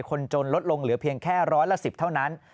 คนจนลดลงเหลือเพียงแค่ร้อยละ๑๐เท่านั้น